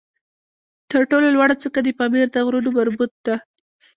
تر ټولو لوړه څوکه د پامیر د غرونو مربوط ده